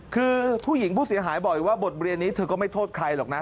คือผู้หญิงผู้เสียหายบอกอีกว่าบทเรียนนี้เธอก็ไม่โทษใครหรอกนะ